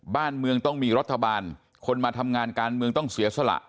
บ้านเมืองต้องมีรัฐบาลคนมาทำงานการเมืองต้องเสียสละ